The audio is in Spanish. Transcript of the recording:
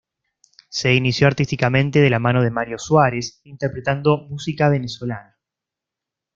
Se inició artísticamente de la mano de Mario Suárez, interpretando música venezolana.